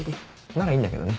ならいいんだけどね。